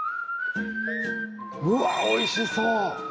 うわぁおいしそう。